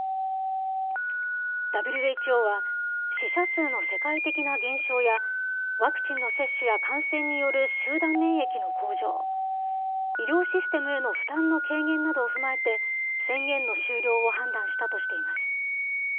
ＷＨＯは、死者数の世界的な減少や、ワクチンの接種や感染による集団免疫の向上、医療システムへの負担の軽減などを踏まえて、宣言の終了を判断したとしています。